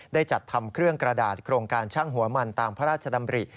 ได้จัดทำเครื่องกระดาษโครงการช่างหัวมันตามพระราชดำริ